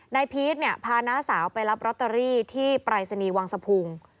นายพีชพาน้าสาวไปรับลอตเตอรี่ที่ปรายศนีวังสภูมิ